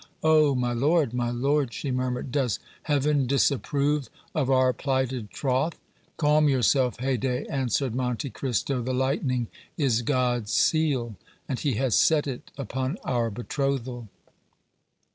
"Oh! my lord, my lord," she murmured, "does Heaven disapprove of our plighted troth?" "Calm yourself, Haydée," answered Monte Cristo. "The lightning is God's seal, and He has set it upon our betrothal."